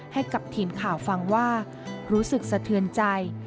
ให้กับทีมข่าวฟังว่ารู้สึกสะเทือนใจ